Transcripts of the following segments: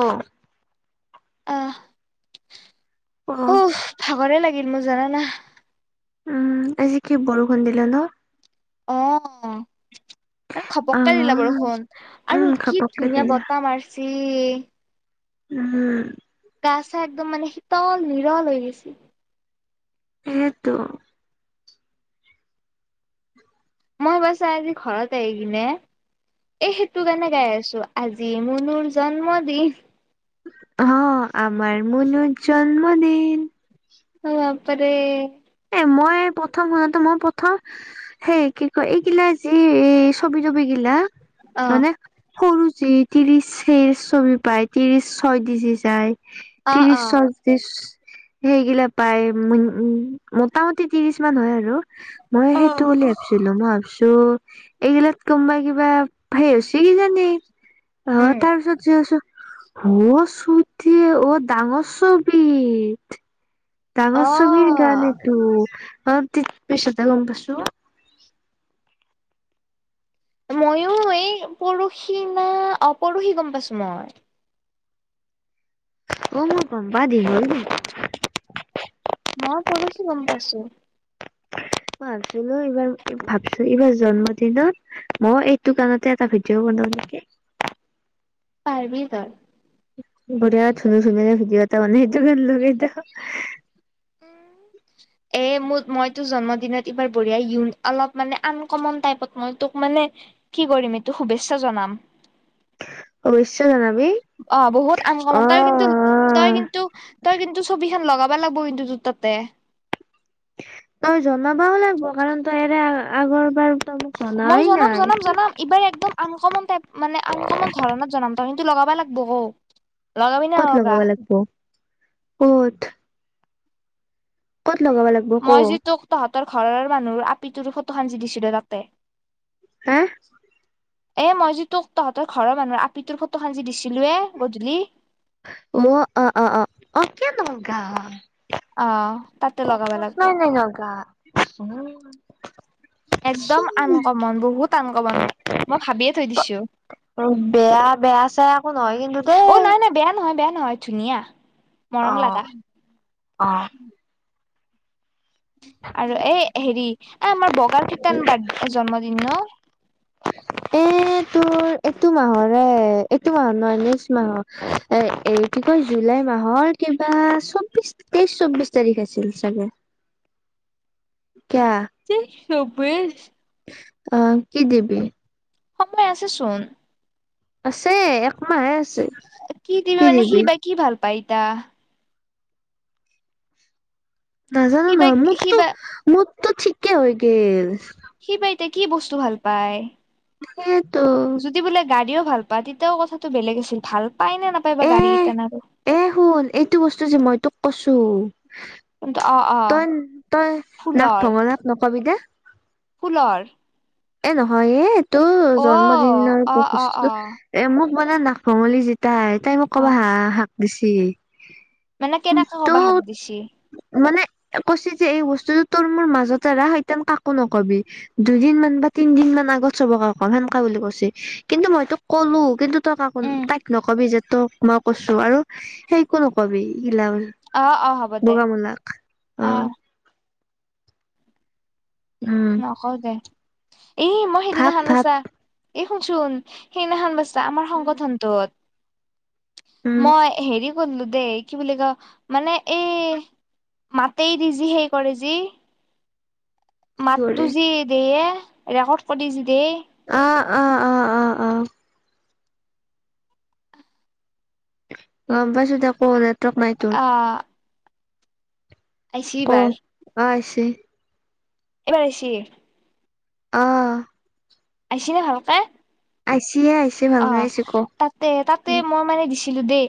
উম। আহ অ উ ভাগৰে লাগিল মোৰ জানানা। উম আজি কি বৰষুণ দিল ন। অঁ। খপককাই দিলা বাৰু আহ শুন উম আৰু কি ঘপককে ধুনীয়া দিলে বতাহ মাৰছি। উম। গচা একদম মানে শীতল বিৰল হৈ গৈছে। সেইটো মই বছা আজি ঘৰত আহ কিনে। এ সেইটো কাৰণে গাই আছো আজি মুনুৰ জন্ম দিন হ আমাৰ মুনুৰ জন্মদিন অ বাপৰে এ মই প্ৰথম শুনাতে মই প্ৰথম সেই কি কয় এইগিলা যি এই ছবি তবি গিলা অ মানে সৰু যে ত্ৰিশ হে ছবি পাই ত্ৰিশ ছয় ডিজি যায় অ ত্ৰিশ অ ছয়ত্ৰিশ সেই গিলা পায় উম মোটামুটি ত্ৰিশ মান হয় আৰু মই সেইটো বুলি ভাবিছিলো মই ভাবিছো এইগিলাত কোমবাই কিবা সেই হৈছে কিজানি অ উম তাৰপিছত যই আছো অ চুতি অ ডাঙৰ ছবিত অ ডাঙৰ চবিৰ গান এইটো অলপ দেইত পিছতেহে গম পাইছো মইয়ো এই পৰহি না অ পৰহি গম পাইছো মই অ মোৰ গম্পা দীঘল দেই মই পৰহি গম পাইছো মই ভাবিছিলো এইবাৰ ভাবছো এইবাৰ জন্ম দিনত মই এইটো গানতে এটা ভিডিঅ' বন নাও নেকে পাৰবি তই [unintelligible] এ মোত মই তোৰ জন্মদিনত এইবাৰ বঢ়িয়াই ইন অলপ মানে আনকমন টাইপত মই তোক মানে কি কৰিম এইটো শুভেচ্ছা জনাম [unintelligible] অৱশ্যে জনাবি অ বহুত আন অ কমন তই কিন্তু তই কিন্তু তই কিন্তু চবি খন লগাবা লাগিব কিন্তু জোতা তে তই জনাবা হ'লে বগান্দই এৰা আগৰ বাৰ তই মোক মই জনাই জনাম নাই জনাম জনাম ইবাৰ একদম আন কমন টাইপ মানে আন কমন ধৰণত জনাম ত কিন্তু লগাবা লাগব ক লগাবি নে ক'ত নলগা লগাবা লাগব ক'ত? ক'ত লগাব লাগিব ক মই যি তোক তহঁতৰ ঘৰৰ মানুহৰ আপিটোৰো ফটো যি দিছো দে তাতে হে? এ মই যি তোক তহঁতৰ ঘৰৰ মানুহৰ আপি তৰ ফটোখন যি দিছিলো এ গধূলি। ম অ অ অ অ কিয় নগাম অ। তাতে লগাব লাগব প্ৰশ্নই নেনগা [unintelligible] একদম আনকমন বহুত আনকমনান মই ভাবিয়ে থৈ দিছো। অ বেয়া বেয়া চাই একো নহয় কিন্তু দে। অ নাই নাই বেয়া নহয় বেয়া নহয় ধুনীয়া মৰম লাগা। অ আৰু এই হেৰি এ আমাৰ বগাৰ কীতান বাড জন্মদিন ন? এ তোৰ এইটো মাহৰে এইটো নহয় নেক্স মাহৰ এ এই কি কয় জুলাই মাহৰ কিবা চৌবিশ তেইছ চব্ববিশ তাৰিখে আছিল চাগে। কিয়া? চৌব্বিছ অ কি দিবি? সময় আছে চোন। আছে একমাহে আছ কি দিবি মানে সি বা কি ভাল পাই ইতা। নাজানো সি বা নহয় সি মোতটো বা মোতটো ঠিকে হৈ গেল। তে কি বস্তু ভাল পায়? সেইটো। যদি বোলে গাড়ীও ভাল পা তেতিয়াও কথাটো বেলেগ আছিল ভাল পায় নে নাপায় বা এ গাড়ী কেইটান আৰু এ শুন এইটো বস্তু যে মই তোক কছো কিন্তু অ অ তই-তই নাক ফুলৰ ভঙনাক নকবি দে। ফুলৰ এ নহয় এ এইটো অ জন্মদিনৰ আৰু অ অ অ প্ৰশুষ্টটো এ মোক বন নাক ভঙলি যেিতাই তাই মোক অ কবা হাঁহ শাক দিচি। মানে কেনেকে কবা হাক দিছি। কৈছি যে এই বস্তুতটো তোৰ মোৰ মাজতে এ ৰা সেইতেন কাকো নকবি দুইদিনমানান ব তিন দিন মান আগত চবকাে অকল সেনেকা বুলি কৈছে কিন্তু মইতো ক'লো কিন্তু তাক উম তাইক নক কবি যে তক মই কৈছো আৰু সেইকো নকবি। ইলৌল অ অ হ'ব দে বগামূলাক অ, উম নকও দে। এ মই ভাব ভাব সেইদিনাখন্বছা এই শুনচোন সেইদিনাখনান বছা আমাৰ উম সংগঠনটোত উম মই হেৰি কৰিলো দেই কি বুলি ক মানে এই মাতেই দি যি সেই কৰে যি কি মাতো কৰে যি দেই ৰেকৰ্ড কৰিছি দেই অ অ', অ', অ', অ', গম পাইছোকৌ নেটৱক নাই তোৰ। অ আহিছি অ, এইবাৰ আইছে। এইবাৰ আইছি। অহ ', আইছি না ভালকে? আইছে অ ভালকে আইছে ক তাতে তাতে মই মানে দি। [unintelligible] দেই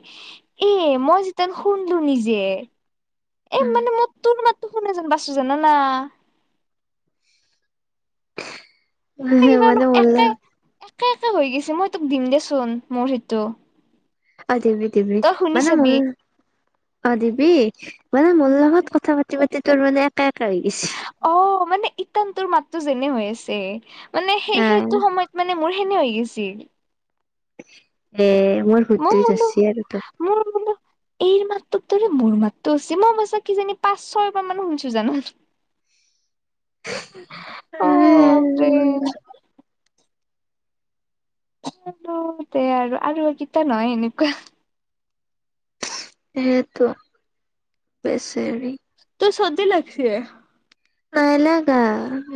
এ মই যিতিান শুনলো নিজে। এই উম মানে মই তোৰো মাতো শুনে যেন বাচো জানানা। মানে কিবালো মোৰ একে। লগত একে একে হৈ গৈছে মই তোক দিম দেচোন মোৰ সেইটো। অ দিবিবি দিবি তই শুনি মানে চাবি মই। অ দিবি মানে মোৰ লগত কথা পাতি পাতি তোৰ মানে একে একে হৈ গৈছে। অ মানে ইটানটোৰ মাতো যেনে হৈ আছে। মানে সেই অ সেইটো সময়ত মানে মোৰ। সেনে হৈ গৈছিল। এ মোৰ ভূতটোৱে মলবোলো ধৰছি আৰু তোক মলবোলো এই মাতটোততৰে মোৰ মাতটো হৈছে মই মইছা কি জানি পাঁচ ছয় বাৰ মানো শুনিছো জানো। অ বাপৰে হম‌ তে আৰু আৰু এইকেইটা নহয় এনেকুৱা। সেইয়টো বেছ তোৰ চলি লাগিছে। নাই লাগা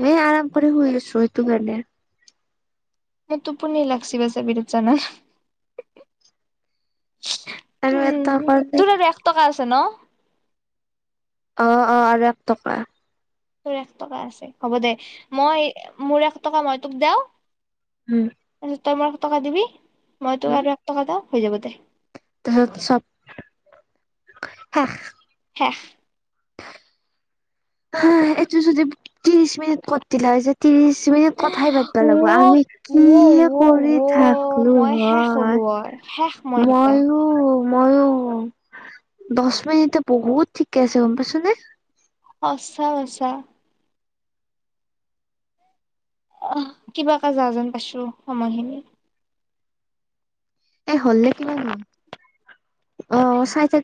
ম আৰাম কৰি শুই আছো সেইটো কাৰণে। মোৰ তুপনি লাগছি বছে বিৰেত জান। উম আৰু এক টকা তোৰ আৰু এক টকা আছে ন। অ, অ, আৰু এক টকা। তোৰ এক টকা আছে হ'ব দে মই মোৰ এক টকা মই তোক দেও। উম। তাৰপিছত তই মই এক টকা দিবি মই তই আৰু এক টকা হৈ যাব দে। তহৰত চব শেষ শেষ হ এইটো যদি ত্ৰিশ মিনিট কৈদিলে হয় যে ত্ৰিশ কথাই পাতিবা লাগিব আমি কি কৰি ৱ-ৱ-ৱ-ৱ থাকলো মই শেষ হলো শেষ মই হয়। দুটা মইো মইো দহ মিনিট বহুত ঠিকে আছে গ'ম পাইছো নে। আচ্ছা বছা আহ কিবা এটা যাহ যেন পাইছো সময়খিনি। এ হ'ল নে কি অ চাই থাক।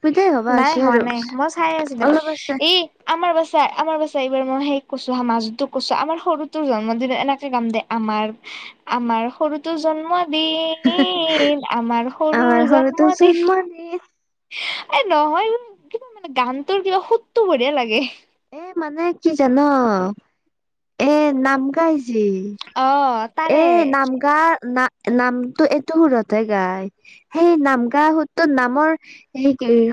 নাই হোৱা নাই মই চাই আছিলো অলপ আছে এই আমাৰ বাচা আমাৰ বাচা। পেগুমেম সেই মই সেই কৈছো সমাজতো কৈছো আমাৰ সৰুতো জন্মদিনত এনেকে গাম দে আমাৰ। আমাৰ সৰুতটো জন্মত বিন আমাৰ সৰুৰ আমাৰ সৰুটো জন্মদিন। জন্মদিন এ নহয়োৰ কিবা মানে গানটোৰ কিবা সুতটো বঢ়িয়া লাগে। এ মানে কি জান, এ নাম গাইজি অ তাৰে ন নামটো এইটো সুৰতে গায়, সেই নাম গা সুটোত নামৰ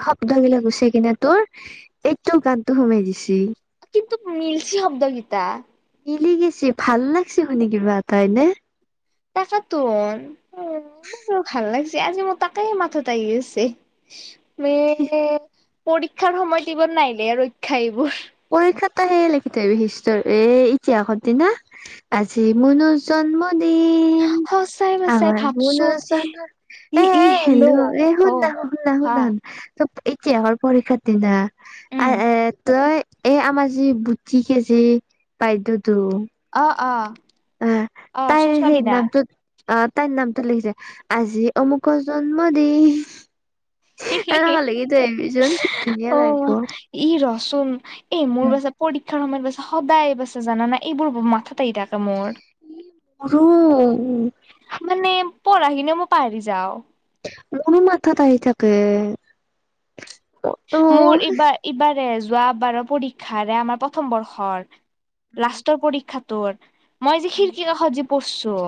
শব্দবিলাক গুছে কিনে তোৰ এই তোৰ গানতটো সোমাই দিছি। কিন্তু মিলছি শব্দ গীটা। মিলি গৈছে ভাল লাগিছে শুনি কিবা এটাইনে হয়নে। তাকে তোন ভাল লাগিছে আজি মোৰ তাকেে। মাথাতে আহি আছে। উে পৰীক্ষাৰ সময়ত ইবোৰ নাইিলে ৰক্ষা এইবোৰ। পৰীক্ষাত তাহে লিখি থয় আহিবি। হীচষ্ট এ ইতিহাসৰ দিনা আজি মনোজ জন্ম দিনন সঁচাই সচাই আমাৰ মুনুৰ ভাবচোন জন্ম ই এ ই এ হেল্ল হ শুননা শু শুন ন হা শুন। ত ইতিহাসৰ পৰীক্ষাৰ দিনা, উম এ তই এ আমাৰ যি বুতি কে যি বাইদেউটো অ অ অ চছমা পিন্ধা? আহ তাই নামটো লিখিছে আজি অমুকৰ জন্মদিন। এনেকুৱা লিখি থৈ আহিবিচোন কি ধুনীয়া লাগিব। চোন এই মোৰ বাছে পৰীক্ষাৰ সময়ত বছে সদায় বাছে জানা না এইবোৰ মাথাত আহি থাকে মোৰ। ই মোৰো। পঢ়াখিনিও মই পাহৰি যাওঁ। মোৰো মাথাত আহি থাকে। অ মোৰ উম এইবাৰ এইবাৰে যোৱা বাৰৰ পৰীক্ষাৰে আমাৰ প্ৰথম বৰ্ষৰ। লাষ্টৰ পৰীক্ষাটোৰ, মই যে উম খিৰিকী কাষত যে পৰছো।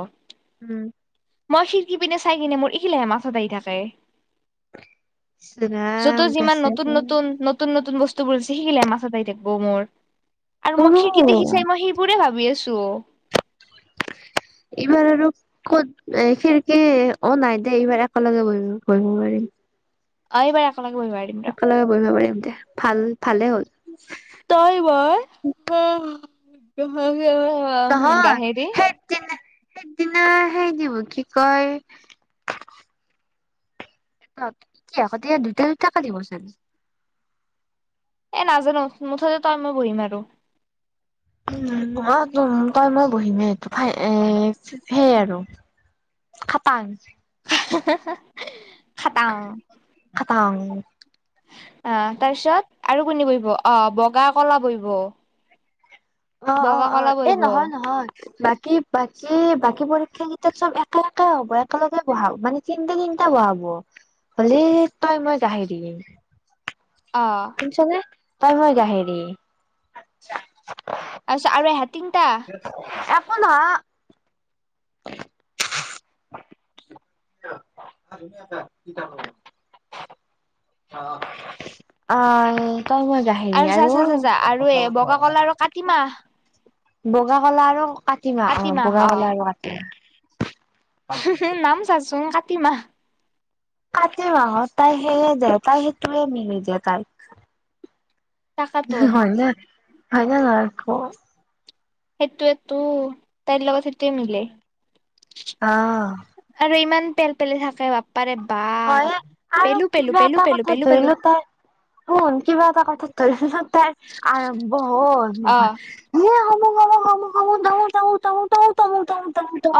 উম মই খিৰিকি পিনে চাই কিনে মোৰ এখিলাহে মাথাত আহি থাকে। ইছ ৰাম যত যিমান নতুন বেচেৰা নতুন নতুন নতুন বস্তু তুবোৰ শিকিলে মাথাত আহি থাকিব মোৰ আৰু মই মোৰো খিকি দেখি চাই মই সেইবোৰে ভাবি আছো। ছু। [inaudible] এইবাৰ আৰু ক'ত অ' খিৰকি অ' নাই দে, এইবাৰ একেলগে ব-বহিব পাৰিম। আহিবাৰ, একেলগে বহিব পাৰিম দে, ভাল-ভালে হ'ল। তই বৰ নহয় সেই [unintelligible] দিনা সেইদিনা সেই দি কি কয়? কি আকৌ তেতিয়া দুটা-দুটাকে দিবচোন। এ, নাজানো মুঠতে তই, মই বহিম আৰু। উম, ম তই মই বহিমেই এইটো ফাই সেই আৰু। খাটাং। [unintelligible] খাটাং। খাটাং অ' তাৰ পিছত আৰু কোনে বহিব? অ' বগা-কলা বহিব। অ' অ' বগা কলা অ' এ বহিব নহয় নহয়। বাকী, কি বাকী বাকী পৰীক্ষা কেইটাত চব একেলগে হ'ব। একেলগে বঢ়াব মানে তিনিটা তিনিটা বঢ়াব। হলে তই মই [unintelligible] দিম। শুনিছনে? তই মই গাহেৰি [unintelligible] আৰু এহেত। একো নহ, [inaudible] অ'। তই-মই গাহেৰি চা চা আৰু? চা চা আৰু এ বগা কলা আৰু কাতিমাহ বগা, কলা আৰু কাটিমা। অ' বগা, কলা আৰু কাটি নাম চাচোন কাটিমা। কাতি মাহত তাই সেয়ে যে তাই সেইটোৱে মিলি দিয়ে তাইক। তাকাতোন হয়নে-হয়নে নহয় ক? সেইটোৱেতো তাইৰ লগত সেইটোৱে মিলে। অহ, আৰু ইমান পেল পেলে থাকে বাপ্পাৰে বাপ হয়ে আৰু পেলু-পেলু কিবা এটা -পেলু-পেলু - কথা ধৰি পেলু-পেলু। ল তাই শুন কিবা এটা কথাত ধৰি ল' তাইৰ আৰম্ভ হল অ [unintelligible] [unintelligible]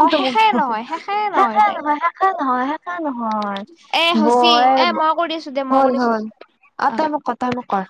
অ শেষে নহয় শেষে তাইৰ নহয়- শেষে নহয়-শেষে নহয়। এ হচি এ বয়েব মই কৰি আছো দে মই হ'ল কৰি আছো -হ'ল অ, তই মোক কৰ - তই মোক কৰ।